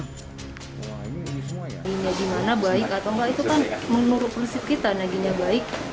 ini gimana baik atau enggak itu kan menurut prinsip kita naginya baik